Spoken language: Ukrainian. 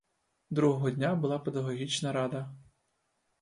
Другого дня була педагогічна рада.